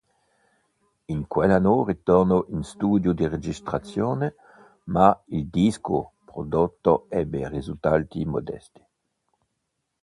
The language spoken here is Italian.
In quell'anno ritornò in studio di registrazione, ma il disco prodotto ebbe risultati modesti.